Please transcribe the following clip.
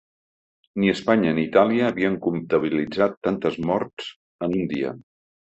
Ni Espanya ni Itàlia havien comptabilitzat tantes morts en un dia.